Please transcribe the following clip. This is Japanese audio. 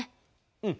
うん。